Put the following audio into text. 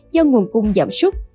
do nguồn cung giảm súc